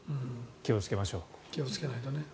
気をつけましょう。